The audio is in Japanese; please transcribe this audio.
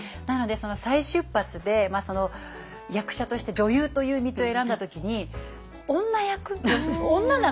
なのでその再出発で役者として女優という道を選んだ時に女役？